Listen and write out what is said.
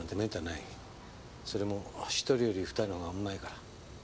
それも１人より２人の方が旨いから。